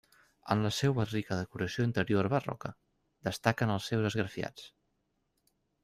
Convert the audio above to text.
En la seua rica decoració interior barroca, destaquen els seus esgrafiats.